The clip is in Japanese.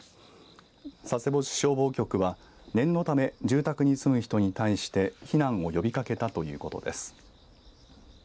佐世保市消防局は念のため住宅に住む人に対して避難を呼びかけたということです。